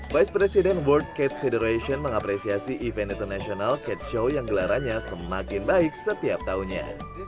vice president world cate federation mengapresiasi event internasional cat show yang gelarannya semakin baik setiap tahunnya